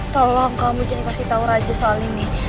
tolong kamu jadi kasih tau raja soal ini